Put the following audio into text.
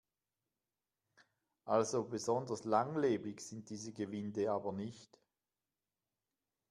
Also besonders langlebig sind diese Gewinde aber nicht.